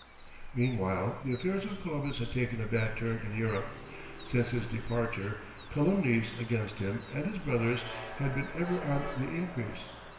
Meanwhile, the affairs of Columbus had taken a bad turn in Europe. Since his departure calumnies against himself and his brothers had been ever on the increase.